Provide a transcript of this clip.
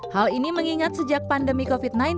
hal ini mengingat sejak pandemi covid sembilan belas